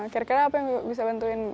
kira kira apa yang ibu bisa bantuin